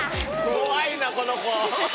怖いなこの子。